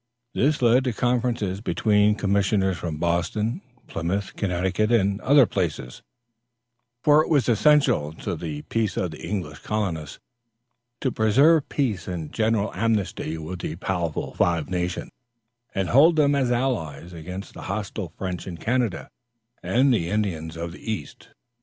This led to conferences between commissioners from Boston, Plymouth, Connecticut and other places, for it was essential to the peace of the English colonists to preserve peace and general amnesty with the powerful Five Nations, and hold them as allies against the hostile French in Canada and the Indians of the east.